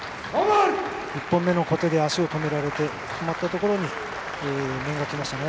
１本目の小手で足を止められて止まったところに面がきましたね。